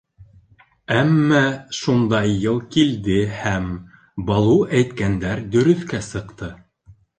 Әммә шундай йыл килде һәм Балу әйткәндәр дөрөҫкә сыҡты.